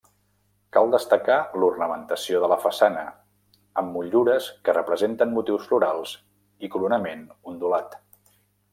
Cal destacar l'ornamentació de la façana, amb motllures que representen motius florals i coronament ondulat.